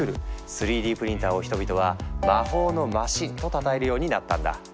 ３Ｄプリンターを人々は「魔法のマシン」とたたえるようになったんだ。